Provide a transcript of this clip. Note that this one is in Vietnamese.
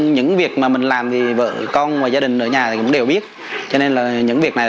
những việc mà mình làm thì vợ con và gia đình ở nhà thì cũng đều biết cho nên là những việc này